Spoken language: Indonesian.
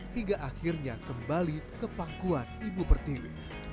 hingga akhirnya kembali ke pangkuan ibu pertiwi